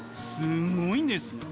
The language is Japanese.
すごいんです。